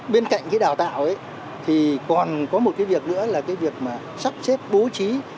bên cạnh cái đào tạo thì còn có một cái việc nữa là cái việc mà sắp xếp bố trí